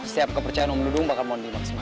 setiap kepercayaan om dudung bakal mondi maksimal